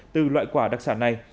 từ loại quả đặc sản này